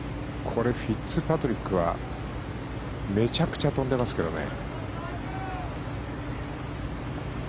これ、フィッツパトリックはめちゃくちゃ飛んでますけどね。